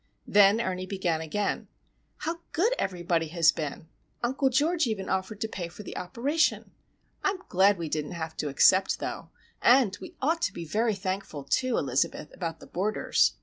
Then Ernie began again:—"How good everybody has been! Uncle George even offered to pay for the operation. I'm glad we didn't have to accept, though;—and we ought to be very thankful, too, Elizabeth, about the boarders.